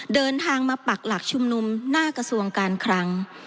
เดินทางมาปักหลักชุมนุมหน้ากระทรวงการคลัง